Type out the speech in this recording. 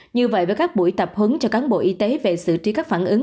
như vậy với các buổi tập hứng cho cán bộ y tế về xử trí các phản ứng